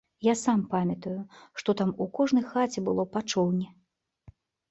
Я сам памятаю, што там у кожнай хаце было па чоўне.